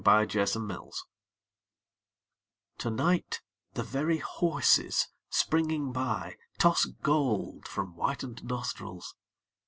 WINTER EVENING To night the very horses springing by Toss gold from whitened nostrils.